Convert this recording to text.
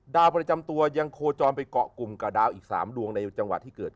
ดาวประจำตัวยังโคจรไปเกาะกลุ่มกับดาวอีก๓ดวงในจังหวะที่เกิด